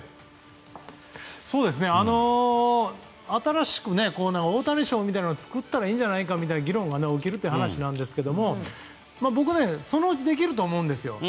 新しくオオタニ賞を作ったらいいんじゃないかという議論が起きるという話なんですが僕は、そのうちできると思うんですよ。